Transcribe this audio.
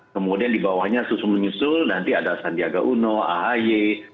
kemudian di bawahnya susul menyusul nanti ada sandiaga uno ahy